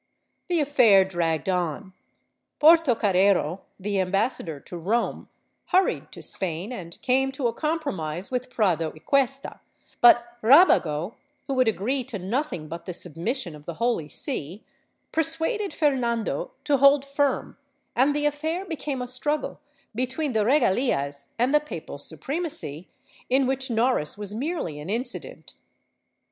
The affair dragged on, Portocarrero, the ambassador to Rome, hurried to Spain and came to a compromise with Prado y Cuesta, but Rabago, who would agree to nothing but the submission of the Holy See, persuaded Fernando to hold firm and the affair became a struggle between the regalias and the papal supremacy, in which Noris was merely an incident.